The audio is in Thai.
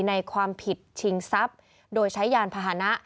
ในความผิดชิงทรัพย์โดยใช้ยานพาหนะ